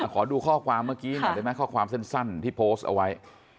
ขอดูข้อความเมื่อกี้หน่อยได้ไหมข้อความสั้นที่โพสต์เอาไว้